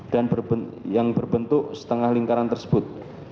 dan yang berbentuk setengah lingkaran tersebut